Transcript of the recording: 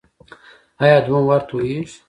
ایا دوهم وار توییږي؟